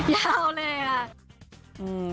ยาวเลยอ่ะ